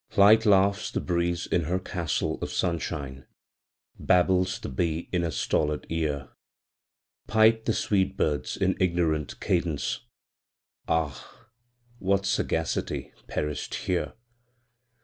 Light laughs the breeze in her castle of sunshine; Babbles the bee in a stolid ear; Pipe the sweet birds in ignorant cadence, Ah, what sagacity perished here!